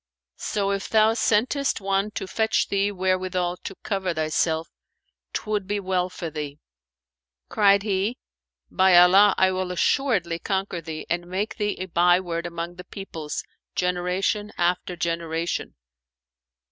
So, if thou sentest one to fetch thee wherewithal to cover thyself, 'twould be well for thee." Cried he, "By Allah, I will assuredly conquer thee and make thee a byword among the peoples, generation after generation!"